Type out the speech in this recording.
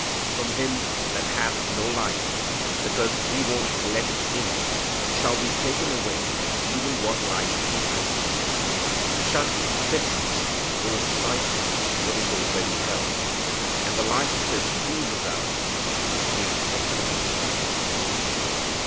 From him that hath no light, because he won't let it in, shall be taken away even what light he has. Shut fists will stifle what is already held, and the life of it oozes out between the fingers.